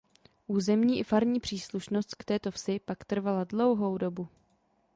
Územní i farní příslušnost k této vsi pak trvala dlouhou dobu.